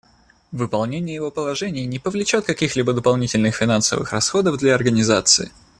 Выполнение его положений не повлечет каких-либо дополнительных финансовых расходов для Организации.